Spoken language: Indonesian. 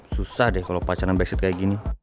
susah deh kalau pacaran basit kayak gini